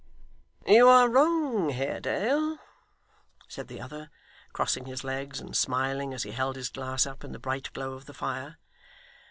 'You are wrong, Haredale,' said the other, crossing his legs, and smiling as he held his glass up in the bright glow of the fire.